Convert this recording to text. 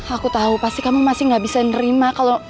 aku tau pasti kamu masih gak bisa nerima kalo